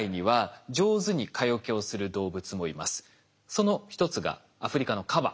その一つがアフリカのカバ。